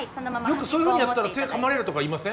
よくそういうふうにやったら手かまれるとか言いません？